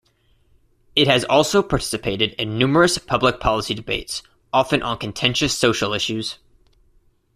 It has also participated in numerous public policy debates, often on contentious social issues.